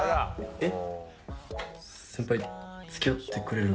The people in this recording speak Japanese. えっ？